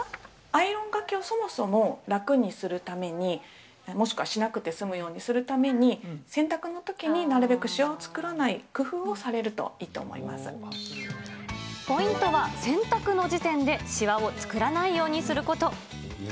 アイロンがけを、そもそも楽にするために、もしくはしなくて済むようにするために、洗濯のときになるべくしわを作らない工夫をされるといいと思いまポイントは、洗濯の時点でしわを作らないようにすること。